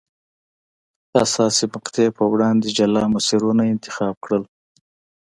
حساسې مقطعې په وړاندې جلا مسیرونه انتخاب کړل.